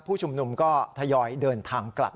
ผู้ชุมนุมก็ทยอยเดินทางกลับ